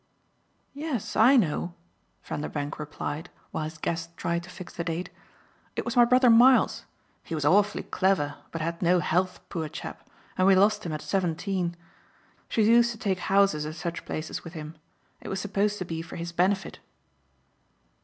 "Yes, I know," Vanderbank replied while his guest tried to fix the date. "It was my brother Miles. He was awfully clever, but had no health, poor chap, and we lost him at seventeen. She used to take houses at such places with him it was supposed to be for his benefit."